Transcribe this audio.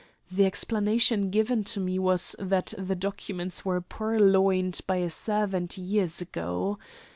The explanation given to me was that the documents were purloined by a servant years ago.